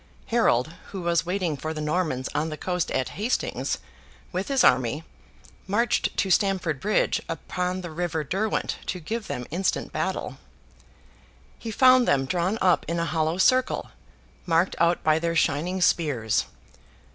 Harold, who was waiting for the Normans on the coast at Hastings, with his army, marched to Stamford Bridge upon the river Derwent to give them instant battle. He found them drawn up in a hollow circle, marked out by their shining spears.